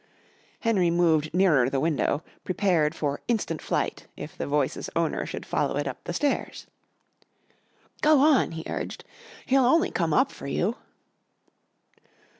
Henry moved nearer the window, prepared for instant flight if the voice's owner should follow it up the stairs. "Go on," he urged. "He'll only come up for you."